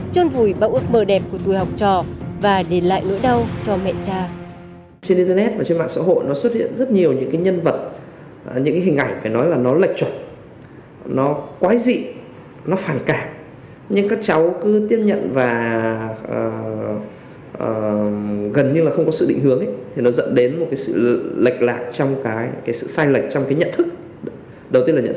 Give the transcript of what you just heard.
trôn vùi bao ước mơ đẹp của tuổi học trò và để lại nỗi đau cho mẹ cha